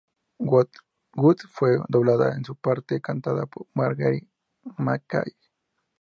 Wood fue doblada en su parte cantada por Margery McKay.